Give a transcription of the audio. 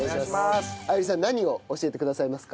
歩里さん何を教えてくださいますか？